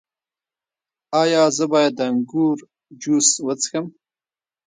ایا زه باید د انګور جوس وڅښم؟